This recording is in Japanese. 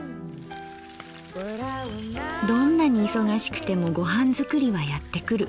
どんなに忙しくてもご飯作りはやって来る。